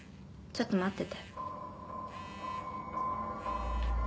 ちょっと待って。